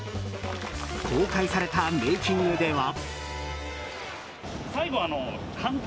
公開されたメイキングでは。